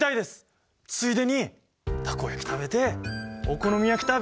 ついでにたこ焼き食べてお好み焼き食べて。